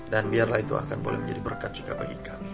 dan biarlah itu akan boleh menjadi berkat juga bagi kami